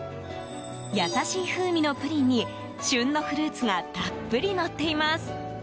優しい風味のプリンに旬のフルーツがたっぷりのっています。